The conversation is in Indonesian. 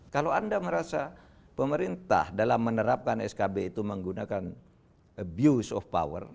kalau anda merasa pemerintah dalam menerapkan skb itu menggunakan abuse of power